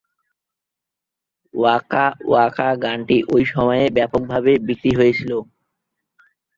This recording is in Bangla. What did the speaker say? ওয়াকা ওয়াকা গানটি ঐ সময়ে ব্যাপকভাবে বিক্রি হয়েছিল।